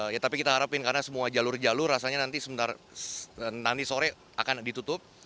ya tapi kita harapin karena semua jalur jalur rasanya nanti sebentar nanti sore akan ditutup